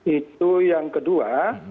itu yang kedua